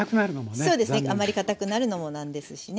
そうですねあまりかたくなるのもなんですしね。